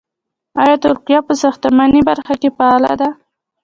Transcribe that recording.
آیا ترکیه په ساختماني برخه کې فعاله ده؟